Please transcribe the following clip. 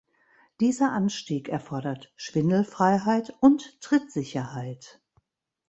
Dieser Anstieg erfordert Schwindelfreiheit und Trittsicherheit.